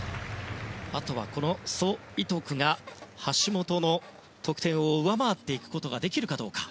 あとはソ・イトクが橋本の得点を上回っていくことができるか。